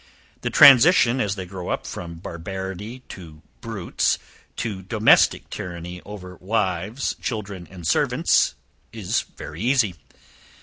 The transition, as they grow up, from barbarity to brutes to domestic tyranny over wives, children, and servants, is very easy.